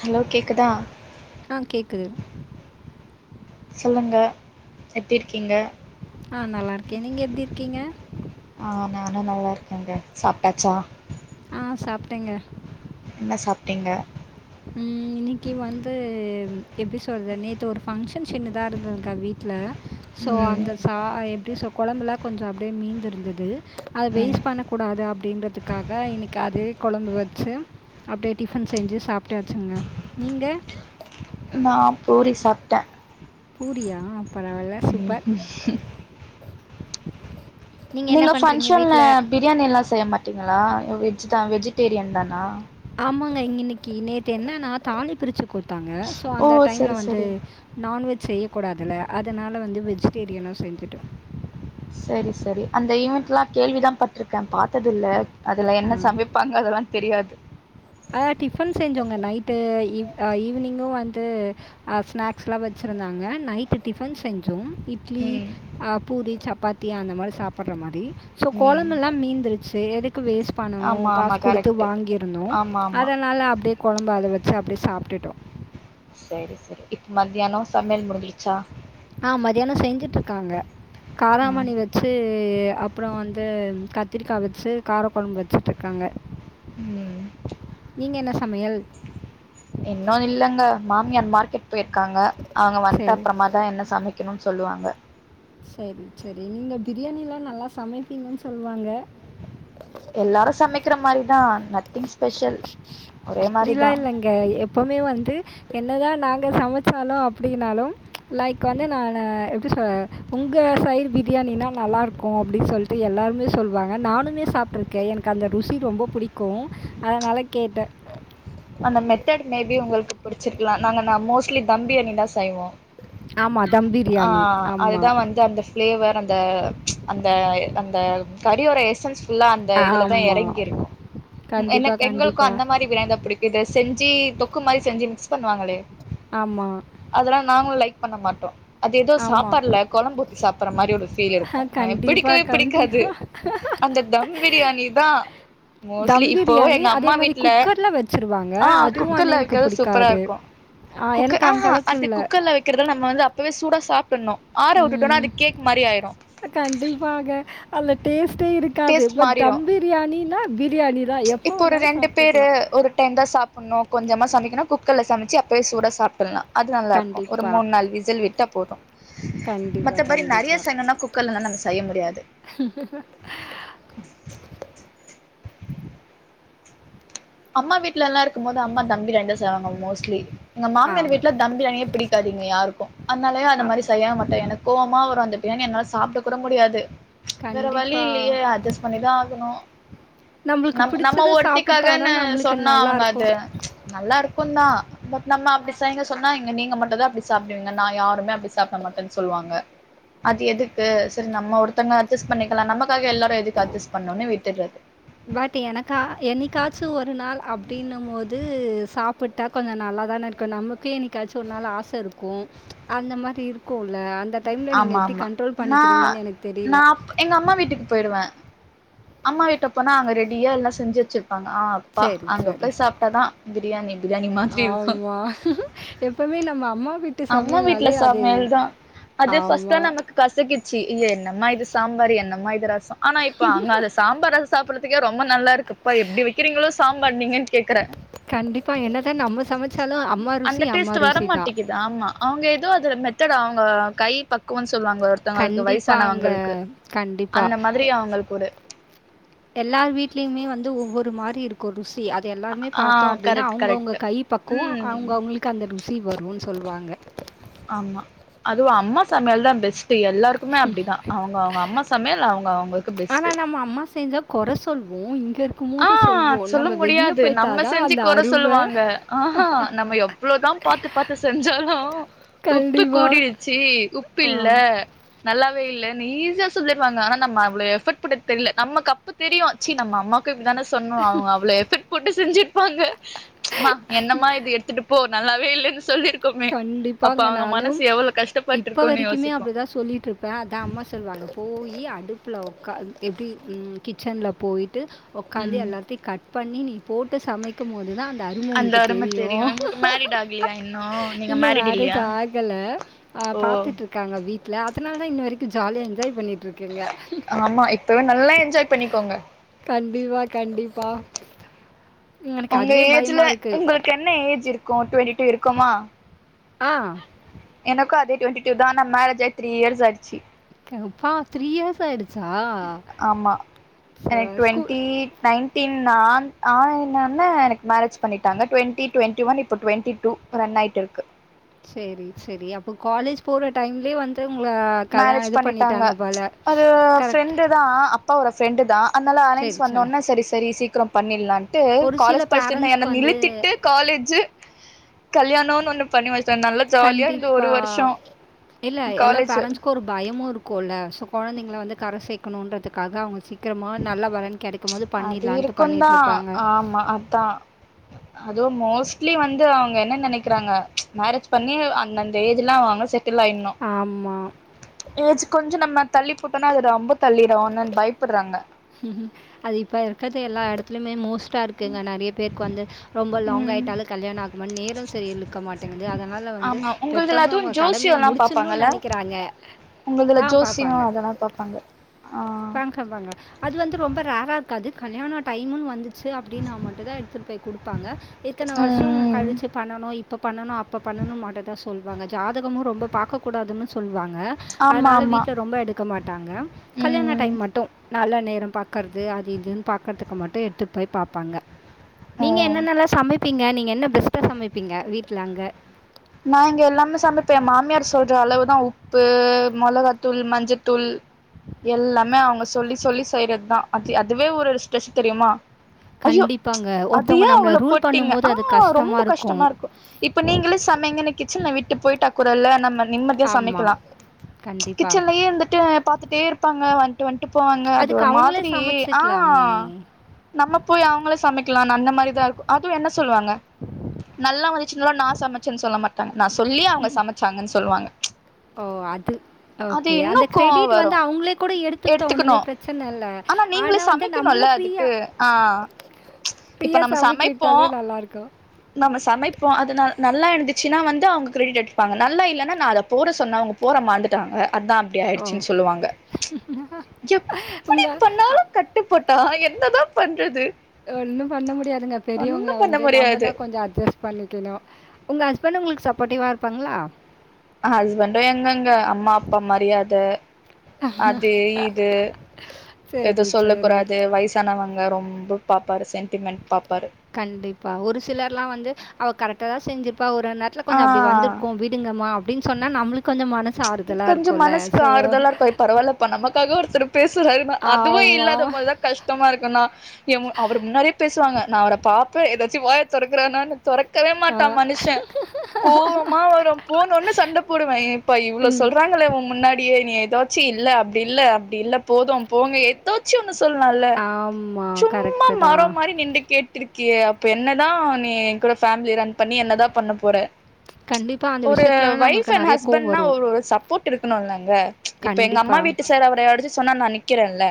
Hello கேக்குதா ஆ கேக்குது சொல்லுங்க எப்டி இருக்கீங்க ஆ நல்லா இருக்கே நீங்க எப்படி இருக்கீங்க ஆ நானு நல்லாிருக்கேங்க சாப்டாச்சா ஆ சாப்பிட்டேங்க என்ன சாப்ட்டீங்க ம் இன்னைக்கு வந்து எப்படி சொல்றது நேத்து ஒரு ஃபங்க்ஷன் சின்னதா இருந்ததுக்கா வீட்டு்ல சோ ம் அந்த சா எப்படி சோ குழம்புலா கொஞ்ச அப்படியே மீந்திருந்தது அத ம் வேய்ஸ்ட் பண்ண கூடாது அப்படின்யின்றதுக்கு காக இன்னைக்கு அதே குழம்பு வச்சு அப்படியே டிஃபன் செஞ்சு சாப் சாப்டாச்சிங்க நீங்க நா பூரி சாப்ட்டே பூரியா பரவால்ல ம் சூப்பர் நீங்கள் என்ன நீங்க பண்ணுறீங்க ஃபங்க்ஷன்ல வீட்டில் பிரியாணி எல்லாம் செய்ய மாட்டீங்களா வெஜ் தா வெஜிடேரியன் தானா ஆமாங்க இங்கன்னைக்கு நேத்து என்னன்னா தாலி பிரிச்சு கொடுத்தாங்க சோ ஓ அந்த டைம்ல சரி வந்து சரி நான்வெஜ் செய்ய கூடாதுல்ல அதனால வந்த வெஜிடேரியனோ செஞ்சிட்டோ செரி செரி அந்த ஈவெண்டட்லா கேள்விதா பட்டிருக்கே பாத்தது இல்ல அதுல ஆ. என்ன சமைப்பாங்க அதெல்லா தெரியாது ஆ டிபன் செஞ்சோங்க நைட்டு் ஈவ் ஆ ஈவினிங்கு வந்து ஆ ஸ்நாக்ஸ்யில்லா வச்சிருந்தாங்க நைட்டு டிபன் செஞ்சோ இப் இட்லி ம் அ பூரி சப்பாத்தி அந்த மாரி சாப்ட்ற மாரி சோ ம் கொழம்பு எல்லா மீந்துருச்சு எதுக்கு வேஸ்ட் பண்ணணு ஆமா ஆமா காசு குடுத்து கரெக்ட்டு வாங்கிருந்தோ ஆமா ஆமா அதனால அடியே கொழம்பு அத வச்சு அப்டியே சாப்ட்டுட்டோ சேரி சேரி இப்ப மத்தியானோ சமையல் முடிஞ்சிருச்சா ஆ மதியானோ செஞ்சுட்டு இருக்காங்க ம் காராமணி வச் வச்சு அப்றோ வந்து கத்திரிக்கா வச்சு கார கொழம்பு வச்சுட்டு இருக்காங்க ம் நீங்க என்ன சமையல் இன்னு இல்லைங்க மாமியார் மார்க்கெட் போய்ருக்காங்க அவுங்க சரி வன்ட்டுஅப்றோமா தா என்ன சமைக் கிணுன் சொல்லுவாங்க சேரி சேரி நீங்க ப்ரியாணிலா நல்லா சமைப்பீங்கன்னு சொல்லுவாங்க எல்லாரு சமைக்கிற மாரிதா நத்திங் ஸ்பெஷல் ஒரே மாரி தா இங்க எப்பவுமே வந்து என்னதா நாங்க சமைச்சாலு அப்டினாலு லைக் வந்து நானு எப்டி சொல்ல உங்க சைடு ப்ரியாணினா நல்லா இருக்கு அப்டின்னு சொல்லிட்டு எல்லாருமே சொல்லுவாங்க நானுமே சாப்ட்ருக்கே எனக் க்கு அந்த ருசி ரொம்ப புடிக்கு அதனால கேட்டே அந்த மெத்தட் மேபி உங்களுக்கு புடிச்சிருக்கலா நாங்க நா மோஸ்ட்லி தம் ப்ரியாணி தா செய்வோ ஆமாம் தம் ஆ பிரியாணி ஆமாம் அதுதா வந்து அந்த ஃப்ளேவர் அந்த அந்த அந்த கறியோரை எசன்ஸ் ஃபுல்லா அந்த இதுலதா ஆமா. எறங்கி இருக்கு ம் கண்டிப்பா, எனக் எங்களுக்கு கண்டிப்பா. அந்த மாரி ப்ரியானிதா புடிக்கிது செஞ்சு தொக்கு மாரி செஞ்சு மிக்ஸ் பண்ணுவாங்களே ஆம்மா அதெல்லா நாங்களு லைக் பண்ண மாட்டோ அது ஏதோ ஆமா. சாப்பாடுல கொழம்பு ஊத்தி சாப்ட்ற மாரி ஒரு ஃபீல் அஹ், இருக்கு கண்டிப்பா, பிடிக்கவே பிடிக்காது கண்டிப்பா. அந்த தம் ப்ரியாணி தா மோஸ்ட்லி தம் இப்போ பிரியாணி, எங்க அதே அம்மா மாரி வீட்ல குக்கர்ல வச்சுருவாங்க. ஆ அதுவும் வந்து குக்கர்ல எனக்கு வைக்கிறது சூப்பரா பிடிக்காது. இருக்கு குக்கு எனக்கு ஆ அந்த ஹா அளவுக்கு அது இல்ல. குக்கர்ல வைக் கிறது நம்ம வந்து அப்பவே சூடா சாப்ட்டுணு ஆர விட்டுட்டோம்ன அது கேக் மாரி ஆயிரு கண்டிப்பாக அதுல டேஸ்ட்டே இருக்காது டேஸ்ட் பட் மாறிடு தம் ப்ரியாணின்னா ப்ரியாணி இப்போ ஒரு ரெண்டு பேரு ஒரு டைம் தா சாப் புன்னு கொஞ்சமா சமைக்கணு குக்கர்ல சமைச்சு அப்பயே சூட சாப்ட்டுலா அது நல்லா இருக்கு ஒரு கண்டிப்பா. மூண் நாள் விசில் விட்டா போது கண்டிப்பா, மத்தபடி நறைய கண்டிப்பா. செய்னுன்னா குக் கர்லா நம்ம செய்ய முடியாது [inaudible] ம் அம்மா வீட்டுல எல்லா இருக்குமோது அம்மா தம் ப்ரியாணி தா செய்வாங்க மோஸ்லி எங்க ஆ. மாமியார் வீட்டுல தம் ப்ரியாணியே புடிக்காது இங்க யாருக்கு அதனாலே அந்த அப் மாரி செய்ய மாட்டே எனக்கு கோவமா வரு அந்த ப்ரியாணி என்னால சாப்ட கூட முடியாது வேற வழி கண்டிப்பா. இல்லையே அட்ஜஸ்ட் பண்ணிதா ஆகுணு நம்மளுக்கு நம் நம்ம பிடிச்சத சாப்பிட்டா ஒருத்தக்காகன்னு தான் நம்மளுக்கு சொன்னோ அவுங்க அது நல்லாருக்கும். நல்லா இருக்கு தா பட் நம்ம அப்டி செய்ங்க சொன்னா இங்க நீங்க மட்டு தா அப்டி சாப்டுவிங்க நாங்க யாருமே அப்டி சாப்ட மட் ட சொல்வாங்க அது எதுக்கு சரி நம்ம ஒருத்தவங்க அட்ஜஸ்ட் பண்ணிக்கலா நமக்காக எல்லாரு எதுக்கு அட்ஜஸ்ட் பண்ணணுன்னு விட்டுர்றது பட் எனக்கா என்க்காச்சு ஒரு நாள் அப்டின்னும் போது சாப் ட்டா கொஞ்சோ நல்லா தான இருக்கு நமக்கு என்னைக்காச்சு ஒரு நாள் ஆச இருக்கு அந்த மாரி இருக்குல்ல அந் இந்த டைம்ல நீங்க ஆமா எப்டி ஆமா கண்ட்ரோல் நா பண்ணிக்கிறீங்கன்னு எனக்கு தெரில நா எங்க அம்மா வீட்டுக்கு போயிடுவே அம்மா வீட்ட போனா அங்க ரெடியா எல்லா செஞ்சி வச்சிருப்பாங்க ஆ ப்பா சரி அங்க சரி போய் சாப்ட்டாதா பிரியாணி பிரியாணி மாதிரி இருக்கு வா [unintelligible] எப்பவுமே நம்ம அம்மா வீட் அம்மா வீட்ல சமையல் தா அதே ஃபர்ஸ்ட்லா ஆமாம் நமக்கு கசகிச்சி இது என்னம்மா இது சாம்பார் என்னம்மா இது ரசோ ஆனா இப்ப அங்க அத சாம்பார் அத சாப்டடுறதுக்கே ரொம்ப நல்லா இருக்குப்பா எப்டி வைக்கிறீங்களோ சாம்பார் நீங்கன் கண்டிப்பா என்னதா நம்ம சமைச்சாலு அம்மா அந்த ருசி அம்மா டேஸ்ட் வர ருசி தா மாட்டேங்குது ஆமா அவங்க ஏதோ அது மெத்தேட் அவங்க கை பக் குவோன்னு சொல்லுவாங்க ஒருத்தங்களுக்கு கண்டிப்பாங்க வயசானவங்களுக்கு அந்த மாதிரி கண்டிப்பாக அவங்களுக்கு ஒரு எல்லார் வீட்லயுமே வந்து ஒவ்வொரு மாரி இருக்கு ருசி அது எல்லாருமே ஆ பாத்தோ அப்டின்னா கரெக்ட் அவங்கவுங்க கரெக்ட் கை பக்குவோ ம் அவங்கவுங்களுக்கு அந்த ருசி வருன்னு சொல்லுவாங்க ஆமா அதுவு அம்மா சமையல் தா பெஸ்ட் எல்லாருக் குமே அப்டிதா அவங்க அவங்க அம்மா சமையல் அவங்க அவங்களுக்கு பெஸ்ட்ட் ஆமா அம்மா செஞ்சா கொறை சொல்லுவோ இங்க ஆ இருக்கும்போது சொல்வோம். சொல்ல நம்ம வெளிய முடியாது போயிட்டா நம்ம தான் செஞ்சி அந்த கொறை அருமை. சொல்லுவாங்க ஆஹா நம்ம எவ் ளோதா பாத்து பாத்து செஞ்சாலு உப்பு கண்டிப்பா. கூடிரிச்சி உப்பு ஆ இல்ல நல்லாவே இல்லன்னு ஈஸியா சொல்லிருவாங்க ஆனா நம்ம அவ்ளோ எஃபர்ட் போட்டது தெரில நமக்கு அப்ப தெரியு ச்சி நம்ம அம்மா க்கு இப்டி தான சொன்னோ அவங்க அவள எஃபர்ட் போட்டு செஞ்சிருப்பாங்க ம்மா என்னமா இது எடுத்துட்டு போ நல்லாவே இல்லன்னு சொல்லிருக்கோமே அப்ப கண்டிப்பாங்க. அவங்க மனசு நானும் எவ்ளோ கஷ்டப்பட்ருக்குன்னு யோசிப்போ சொல்லிட்ருப்பே அதா அம்மா செல்வாங்க போய் அடுப்புல ஒக்காந்து எப்டி ம் கிச்சன்ல போய்ட்டு ஒக்காந்து ம் எல்லாத்தையு கட் பண்ணி நீ போட்டு சமைக்கும் போதுதா அந்த அரும தெரியு இவங்களுக்கு மேரிட் ஆகலையா இன்னு? நீங்க இன்னு மேரிட் மேரேஜ் இல்லையா? ஆகல ஆ ஓ பாத்துட்டு இருக் காங்க வீட்ல அதனால தா இன்ன வரைக்கு ஜாலியா என்ஜாய் பண்ணிட்ருக்கேங்க ஆமா இப்பவே நல்லா என்ஜாய் பண்ணிக்கோங்க கண்டிப்பா கண்டிப்பா எனக்கு உங்க அதுவே ஏஜ்ல பயமா இருக்கு. உங்களுக்கு என்ன ஏஜ் இருக்கு டுவெண்டி டூ இருக்குமா ஆ எனக்கு அதே டுவென்டி டூ தா ஆனா மேரேஜ் ஆயி த்ரீ இயர்ஸ் ஆயிடுச்சி ப்பா த்ரீ இயர்ஸ் ஆயிடுச் ஆமா எனக்கு ஸ்கூல் டுவெண்ட்டி நைன்டீன் நா ஆன் ஆன ஒன்ன எனக்கு மேரேஜ் பண்ணிட்டாங்க டுவெண்ட்டி டுவெண்ட்டி ஒன் இப்ப டுவெண்ட்டி டூ ரன் ஆயிட்டு இருக்கு சேரி சேரி அப்ப காலேஜ் போற டைம்லயே வந்து உங்கள கல்யாண இது பண்ணிட்டாங்க போல ஒரு கரெக்ட் ஃப்ரெண்டு தா அப்பாவோட ஃப்ரெண்டுதா அதனால அலையன்ஸ் வந்த ஒன்ன சரி சரி சீக்கரோ பண்ணிடலான் ட்டு ஒரு சில காலேஜ் படிச்சிட்டு இருந்த என்ன பேரண்ட்ஸ்க்கு வந்து நிழுத்திட்டு காலேஜு கல்யாணம்னு ஒண்ணு பண்ணி வச்சன் நல்லா ஜாலியா இருந்தோன் ஒரு கண்டிப்பா. வருஷோம் இல்ல எல்லா பேரண்ட்ஸ்க்கும் ஒரு பயமும் இருக்கும்ல்ல சோ கொழந்தைங்கள வந்து கர சேக்கணும்ன்றதுக்காக அவங்க சீக்கிரமா நல்ல வரன் கெடைக்கும் போது பண்ணிடலான்ட்டு பண்ணிட்டுருப்பாங்க ஆ அத்தா அதோ மோஸ்ட்லி வந்து அவங்க என்ன நெனைக்கிறாங்க மேரேஜ் பண்ணி அந்தந்த ஏஜ்லா அவங்க செட்டில் ஆயினும் ஆமா ஏஜ் கொஞ்சோ நம்ம தள்ளி போட்டோனா அது ரொம்ப தள்ளிடோம் அந்நன் பயப்படுறாங்க அது இப்போ இருக்கற்து எல்லா எடத்லயுமே மோஸ்ட் டர்க்குங்க நெறைய பேருக்கு வந்து ரொம்ப லாங் ம் ஆய்டாலும் கல்யாணம் ஆக்மா நேரம் சரி இழுக்க மாட் டுங்கது அதனால வந்து ஆமா உங்கள்துல பெத்தவங்க அதுவு அவங்க கடமைய முடிச்சுன்னும் நெனைக்கறாங்க உங்கதுல ஜோசியும் அதெல்லாம் பாப்பாங்க ஆ பாங்க பாங்க அது வந்து ரொம்ப ரேரா இருக்காது கல்யாணம் டைம்னு வந்து ச்சு அப்டின்னா மட்டும் தான் எடுத்துட்டு போய் குடுப்பாங்க இத்தன வருஷம் ம் கழிச்சு பண்ணனு இப்ப பண்ணணு இப்ப பண்ணணும் மாட்டே தா சொல்வாங்க ஜாதகமும் ரொம்ப பாக்கக் கூடாதுன் சொல்வாங்க ஆமா அனால ஆமா வீட்டுல ரொம்ப எடுக்க மாட்டாங்க கல்யாண ம் டைம் மட்டும் நல்லா நேரம் பாக்கர்து அது இதுன்னு பாக்கர்துக்கு மட்டும் எடுத்துட் போய் பாப்பாங்க ஓ நீங்க என்னன்னல்லா சமைப்பீங்க நீங்க என்ன பெஸ்டா சமைப்பீங்க வீட்ல அங்க நான் இங்க எல்லாமே சமைப்பேன் மாமியார் சொல்ற அளவுதான் உப்பு மொளகாத்தூள் மஞ்சத்தூள் எல்லாமே அவங்க சொல்லி சொல்லி செய்றது தான் அது அதுவே ஒரு ஸ்ட்ரெஷ் தெரியுமா ஐயோ கண்டிப்பாங்க ஒருத்தவங்க அதயேன் நம்மளை அவ்ளோ ரூல் போட்டீங்க பண்ணும்போது ஆ அது ரொம்ப கஷ்டமாக கஷ்டமா இருக்கும் இப்ப நீங்களே சமைையங்கனு கிச்சன்ல வுட்டு போயட்டாக்குடல நம்ம நிம்மதியா ஆமாம் சமைக்கலாம் கண்டிப்பாக கிச்சன்லயே இருந்துட்டு பாத்துட்டேருப் பாங்க வந்ட்டு வந்ட்டு போவாங்க அது அதுக்கு ஒரு அவங்களே மாதிரி ஆ சமைச்சுக்கலாமே! நம்ம போய் அவங்களே சமைக்கலாம்னு அந்த மாரிதான் இருக்கும் அதும் என்ன சொல்வாங்க நல்லா வந்துச்சுனாலும் நான் சமைச்சேன்னு சொல்ல மாட்டாங்க நான் சொல்லி அவங்க சமைச்சாங்கன் சொல்வாங்க ஓ அது ஓகே அந்த கோவ கிரெடிட் வரு வந்து அவ்ங்ளே கூட எடுத்துட்டும் எடுத்துக்கணு ஒன்னுமே பிரச் ச்சன இல்ல ஆனா நீங்களே வந்து நம்ளு சமைக்கணுல்ல ஃப்ரீயா அதுக்கு ஆ இப்ப ஃப்ரீயா நம்ம சமைக்க சமைப்போ விட்டாலே நல்லா இருக்கும் நம்ம சமைப்போம் அதனா நல்லா இருந்துச்சுன்னா வந்து அவங்க கிரெடிட் எடுத்துப்பாங்க நல்லா இல்லன்னா நா அத போட சொன்ன அவங்க போட மாறந்துட்டாங்க அதா இப்டி ஓ! ஆய்டுச்சின் சொல்லுவாங்க எப்புடி உங்க அ பண்ணாலும் கட்டுப்பட்டா என்னதான் பண்றது ஒன்னும் பண்ண முடியாதுங்க ஒன்னு பெரியவங்கள பண்ண வந்து முடியாது நம்மதான் கொஞ்சோ அட்ஜஸ் பண்ணிக்கணும் உங்க ஹஸ்பண்டும் உங்களுக்கு சப்போர்டிவா இருப்பாங்களா ஹஸ்பண்டும் எங்கங்க அம்மா அப்பா மரியாத அது இது எது சரி, சொல்ல சரி. கூடாது வயசு வயசானவங்க ரொம்ப பாப்பாரு சென்டிமெண்ட் பாப்பாரு கண்டிப்பா ஒரு சிலர் எல்லாம் வந்து அவ கரெக்டா தான் செஞ்சிருப்பா ஒரு ஒரு நேத்துல ஆ கொஞ்சோ அப்டி வந்துருக்கும் வி டுங்கம்மா அப்டின் சொன்னா நம்மளுக்கு கொஞ்சோ மனசு ஆறுதலா இருக்கும்ல சோ பரவாலப்பா நமக்காக ஒருத்தர் பேசுறாருனா அதுவும் ஆமா. இல்லாத போது தான் கஷ்டமா இருக்குன்னா என் அவர் முன்னாடியே பேசுவாங்க நான் அவர பாப்பேன் ஏதாச்சு வாய தொறக்குறானானு தொறக்கவே ஆ, மாட்டான் மனுஷன் கோவமா வரும் போனோன சண்ட போடுவேன் ஏன் பா இவ்ளோ ம். சொல்றாங்களே உன் முன்னாடியே நீ ஏதாச்சு இல்ல அப்புடி இல்ல அப்புடி இல்ல போதும் போங்க எதோத் சி ஒண்ணு சொல்லாம்ல ஆமா. சும்மா கரெக்ட்டு மரோ தான். மாறி நின்னு கே கிறுக்கியே அப்ப என்னதா நீ எ கூட ஃபேமிலிய ரன் பண்ணி என்னதா பண்ண போற கண்டிப்பா அந்த விஷ்யத்லலா நம்ளுக்கு நறைய ஹஸ்பன்ட்னா ஒரொரு சப்போர்ட் இருக்கனுல்லங்க இப்ப எங்க அம்மா கண்டிப்பா. வீட்டு செரி அவட யாராச்சு சொன்னா நா நிக்கிறேன்ல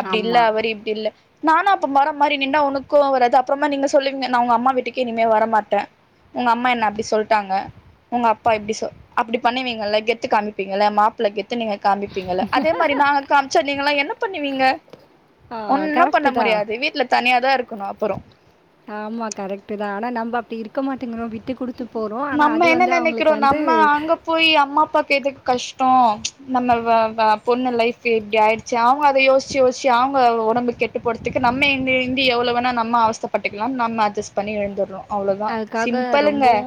அப்டில்ல ஆமா. அவரு இப்டில்ல நானு அப்ப மரோ மாரி நின்டா உனக் கோவோ வராது அப்றமா நீங்க சொல்லுவீங்க நா ஒங்க அம்மா வீட்டுக்கே இனிமே வரமாட்டே உங்க அம்மா என்ன அப்டி சொல்ட்டாங்க உங்கப்பா இப்டி சொ அப்டி பண்ணுவீங்கல்ல கெத்து காமிப்பீங்கள்ல மாப்பிள்ள கெத்து நீங்க காமிப்பீங்கள அதே மாரி நாங்க காம்ச்சா நீங்கள்லா என்ன பண்ணுவீங்க ஆ ஒன்னு பண்ண கரெக்ட்டு தான். முடியாது வீட்ல தனியா தாருக்கனு அப்பறோ ஆமா கரெக்ட்டு தா ஆனா நம்ப அப்டி இருக்க மாட்டிங்கிறோ விட்டு குடுத்து போறோ ஆனா அது வந்து அவுங்ளுக்கு வந்து நா அங்க போயி அம்மாப்பாக்கு எதுக்கு கஷ்டோ நம்ம வ வ பொண்ணு லைஃப் இப்டி ஆய் ச்சு அவுங்க அத யோச்சி யோச்சி அவுங்க ஒடம்பு கெட்டு போறத்துக்கு நம்ம எந்தி எந்தி எவ்ளோ வேணா நம்ம அவஸ்த பட்டுக்லாம் நம்ம அட்ஜெஸ்ட் பண்ணி இருந்துட்றோ அதுக்காக ரொம்பவு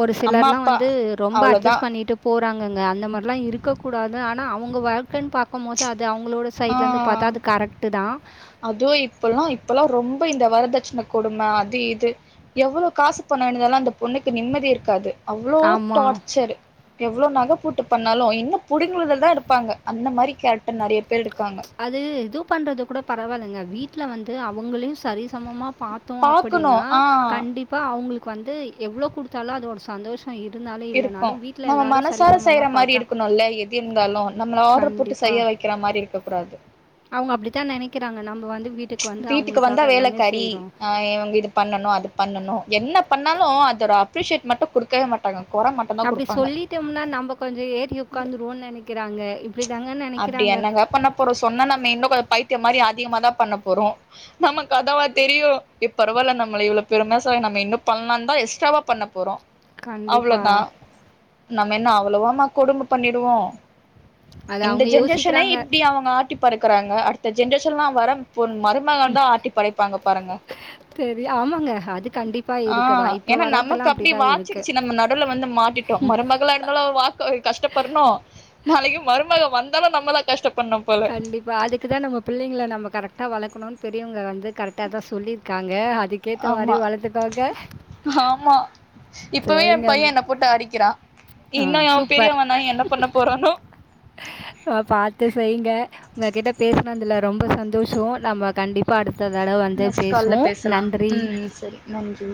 ஒரு அம்மா சிலர்லா அப்பா வந்து ரொம்ப அவ்ளோதா அட்ஜஸ்ட் பண்ணிட்டு போறாங்கங்க அந்த மார்லா இருக்க கூடாது ஆனா அவுங்க வாழ்க்கன் பாக்கம்போது அது அவுங்ளோட சைட்லந்து ஆ பாத்தா அது கரெக்ட்டு தா அதுவு இப்பல்லா இப்பல்லா ரொம்ப இந்த வரதட்சண கொடும அது இது எவ்ளோ காசு பணோ வாய்ன்ட்டு வந்தாலு அந்த பொண்ணுக்கு நிம்மதி இருக்காது அவ்ளோ ஆமா. டார்ச்சரு எவ்ளோ நக போட்டு பண்ணாலு இன்னு புடுங்குறல தாருப்பாங்க அந்த மாரி கேரக்டரு நறைய பேர் இருக்காங்க அது இது பண்றது கூட பரவால்லங்க வீட்ல வந்து அவுங்களையு சரிசமமா பாத் தோ பாக்கணு அப்பிடின்னா ஆ கண்டிப்பா அவுங்ளுக்கு வந்து எவ்ளோ குடுத்தாலு அதோட சந்தோஷோ இருந்தாலு இருக்கு நம்ம மனசார செய்ற மாரி பார்த்தா இருக்கணுல எது இந்தாலு நம்ள ஆட்ரு போட்டு செய்ய வெ க்ற மாரி இருக்க கூடாது அவுங்க அப்டித்தா நெனைக்குறாங்க நம்ம வந்து வி வீட்டுக்கு வந்தா வேலக்காரி ஆ இவுங் இது பண்ணணு அது பண்ணணு என்ன பண்ணாலு அத ஒரு அப்ரிஷியேட் மட்டு குடுக்கவே மாட்டாங்க கொற ம அப்டி சொல்லிட்டம்ன்னா நம்ம கொஞ்சோ ஏறி உக்காந்துருவோன் நெனைக்கிறாங்க இப்டிதாங்க நெனைக்கிறாங்க அப்றோ சொன்னா நம்ம இன்னு கொஞ்சோ பைத்தியோ மாரி அதிகமா தா பண்ண போறோ நமக்கு அதாவா தெரியு ஏ பரவால நம்மள இவ்ளோ பெருமையா சொல்றாங்க நம்ம இன்னு பண்ணலான் தா எஸ்ட்ராவா பண்ணப் போறோ கண்டிப்பா. அவ்ளோதா நம்ம என்ன அவ்ளோவாமா கொடும பண்ணிடுவோ அது இந்த அவங்க ஜென்ரேஷனே யோசிக்கிறாங்க. இப்டி அவுங்க ஆட்டி படைக்குறாங்க அடுத்த ஜென்ரேஷன்லா வர பொண் மரு மகள்ந்தா ஆட்டி படைப்பாங்க பாருங்க சரி ஆமாங்க. அது கண்டிப்பா ஆ இருக்குதான். இப்போ ஏனா நமக்கு வர்றதெல்லாம் அப்டி அப்படிதான் இருக்கு. வாச்சிடுச்சு நம்ம நடுல வந்து மாட்டிட் டோ மருமகளா இருந்தாலு அவ வா ழ்க்க கஷ்டப்பட்னு நாளைக்கு மருமக வந்தாலு நம்ம தா கஷ்டப்பட்னு கண்டிப்பா அதுக்குதா நம்ம பிள்ளைங்ள நம்ம கரெக்டா வளக்ணுன் பெரியோங்க வந்து கரெக்டா தா சொல்லிருக்காங்க அதுக்கேத்த மாரி ஆமா வளர்த்துக்கோங்க ஆமா இப்பவே எ சரிங்க உங்க பையேன் என்ன போட்டு அடிக்கிறா இன்னு ம் அவே பெரியவன்னாயி என்ன பண்ண போறானோ ஆ பாத்து செய்ங்க உங்ககிட்ட பேசுனதுல ரொம்ப சந்தோஷோ நம்ம கண்டி ப்பா அடுத்ததடவ வந்து நெக்ஸ்ட் கால்ல பேசுவோ பேசலா நன்றி ம் சரி நன்றி